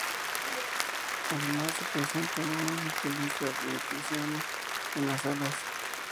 Además presenta una única lista blanquecina en las alas.